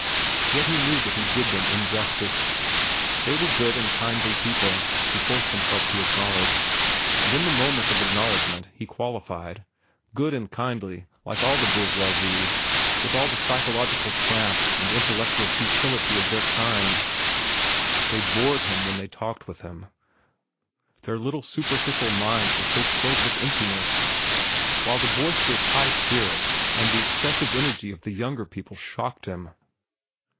Yet he knew that he did them injustice. They were good and kindly people, he forced himself to acknowledge, and in the moment of acknowledgment he qualified—good and kindly like all the bourgeoisie, with all the psychological cramp and intellectual futility of their kind, they bored him when they talked with him, their little superficial minds were so filled with emptiness; while the boisterous high spirits and the excessive energy of the younger people shocked him.